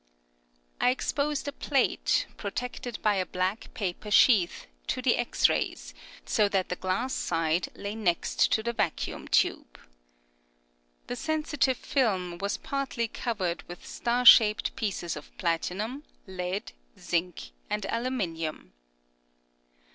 I exposed a plate, protected by a black paper sheath, to the X rays, so that the glass side lay next to the vacuum tube. The sensitive film was partly covered with star shaped pieces of platinum, lead, zinc and aluminium.